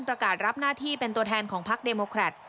ประกาศรับหน้าที่เป็นตัวแทนของพักเดโมแครต